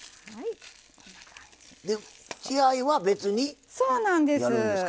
血合いは別にやるんですか？